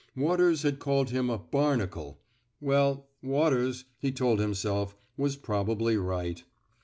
Waters had called him a barnacle. '* Well, Waters, he told himself, was probably right.